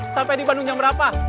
sampai di bandung jam berapa